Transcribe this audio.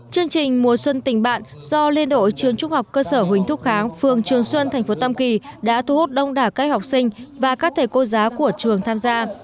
chương trình mùa xuân tình bạn do liên đội trường trúc học cơ sở huỳnh thúc kháng phường trường xuân thành phố tam kỳ đã thu hút đông đả các học sinh và các thể cô giá của trường tham gia